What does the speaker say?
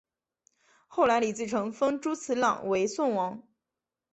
后来李自成封朱慈烺为宋王。